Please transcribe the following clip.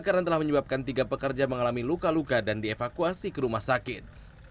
karena telah menyebabkan tiga pekerja mengalami luka luka dan dievakuasi ke rumah sakit